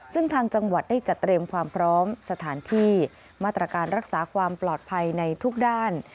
ซึ่งทางจังหวัดได้จัดเตรียมความพร้อมสถานที่มาตรการรักษาความปลอดภัยในทุกด้าน